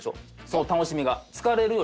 その楽しみが。